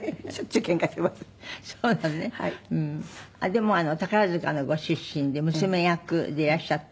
でも宝塚のご出身で娘役でいらっしゃって。